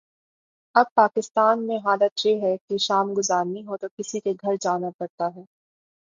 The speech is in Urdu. اب پاکستان میں حالت یہ ہے کہ شام گزارنی ہو تو کسی کے گھر جانا پڑتا ہے۔